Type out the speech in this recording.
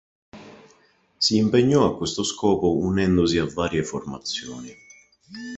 Si impegnò a questo scopo unendosi a varie formazioni.